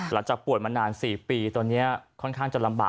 ป่วยมานาน๔ปีตอนนี้ค่อนข้างจะลำบาก